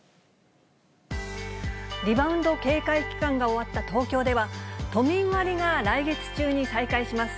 リバウンド警戒期間が終わった東京では、都民割が来月中に再開します。